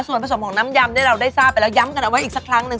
ส่วนผสมของน้ำยำที่เราได้ทราบไปแล้วย้ำกันเอาไว้อีกสักครั้งหนึ่ง